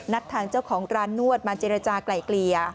ทางเจ้าของร้านนวดมาเจรจากลายเกลี่ย